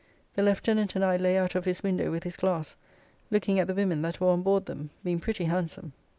The lieutenant and I lay out of his window with his glass, looking at the women that were on board them, being pretty handsome.